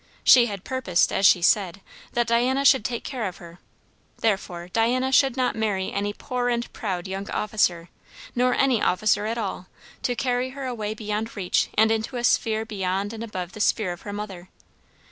She had purposed, as she said, that Diana should take care of her; therefore Diana should not marry any poor and proud young officer, nor any officer at all, to carry her away beyond reach and into a sphere beyond and above the sphere of her mother.